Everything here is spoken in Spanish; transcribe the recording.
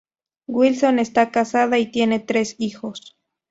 Wilson está casada y tiene tres hijos.